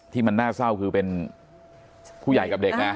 ที่มันน่าเศร้าคือเป็นผู้ใหญ่กับเด็กนะ